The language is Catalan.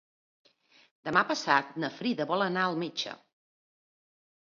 Demà passat na Frida vol anar al metge.